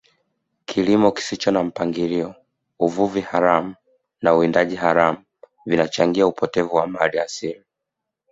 kilimo kisicho na mpangilio uvuvi haramu na uwindaji haramu vinachangia upotevu wa mali asili